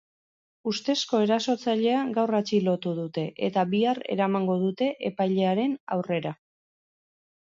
Ustezko erasotzailea gaur atxilotu dute eta bihar eramango dute epailearen aurrera.